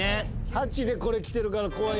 ８でこれきてるから怖い。